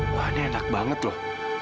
wah ini enak banget loh